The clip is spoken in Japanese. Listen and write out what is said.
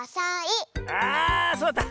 あそうだった。